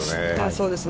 そうですね。